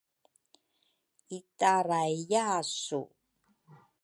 itaraiyasu.